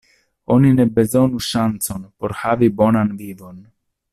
Oni ne bezonu ŝancon por havi bonan vivon.